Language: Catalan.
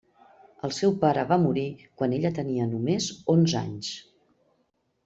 El seu pare va morir quan ella tenia només onze anys.